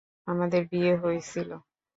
আমাদের বিয়ে, হইছিলো।